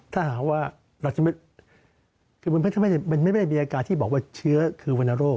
ถ้าหาว่ามันไม่ได้มีอาการที่บอกว่าเชื้อคือวัณโลก